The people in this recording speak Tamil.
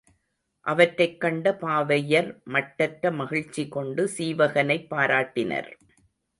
அவற்றைக் கண்ட பாவையர் மட்டற்ற மகிழ்ச்சி கொண்டு சீவகனைப் பாராட்டினர்.